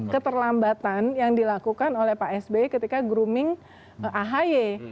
keterlambatan yang dilakukan oleh pak sby ketika grooming ahy